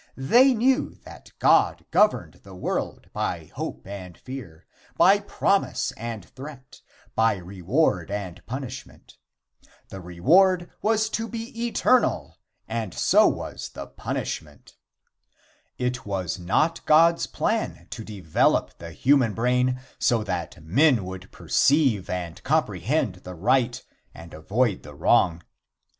They knew that God governed the world by hope and fear, by promise and threat, by reward and punishment. The reward was to be eternal and so was the punishment. It was not God's plan to develop the human brain, so that man would perceive and comprehend the right and avoid the wrong.